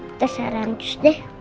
kita saranjus deh